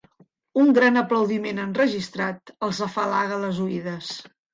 Un gran aplaudiment enregistrat els afalaga les oïdes.